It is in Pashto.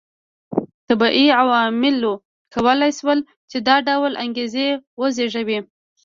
طبیعي عواملو کولای شول چې دا ډول انګېزې وزېږوي